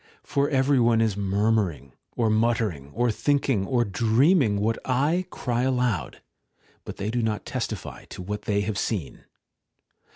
For every one is murmuring, or muttering, or thinking, or dreaming, what I cry aloud ; but they do not testify to what they have seen.